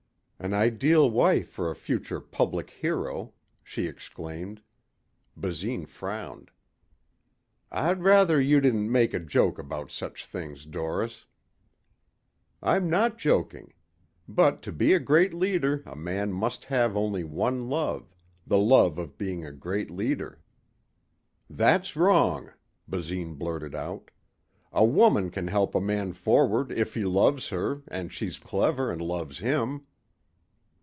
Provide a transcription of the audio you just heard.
"An ideal wife for a future public hero," she exclaimed. Basine frowned. "I'd rather you didn't make a joke about such things, Doris." "I'm not joking. But to be a great leader a man must have only one love the love of being a great leader." "That's wrong," Basine blurted out. "A woman can help a man forward if he loves her and she's clever and loves him."